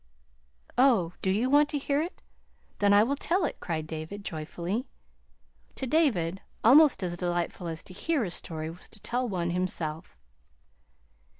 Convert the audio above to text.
"Oh, do you want to hear it? Then I will tell it," cried David joyfully. To David, almost as delightful as to hear a story was to tell one himself.